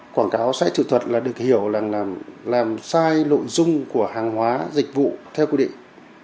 quảng cáo sách trực thuật được hiểu là làm sai nội dung của hàng hóa dịch vụ theo quy định